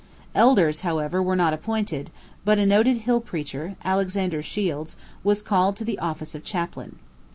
Elders, however, were not appointed: but a noted hill preacher, Alexander Shields, was called to the office of chaplain.